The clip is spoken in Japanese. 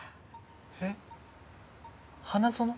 えっ花園？